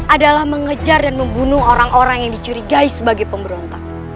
adalah mengejar dan membunuh orang orang yang dicurigai sebagai pemberontak